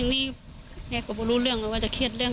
จน๘โมงเช้าวันนี้ตำรวจโทรมาแจ้งว่าพบเป็นศพเสียชีวิตแล้ว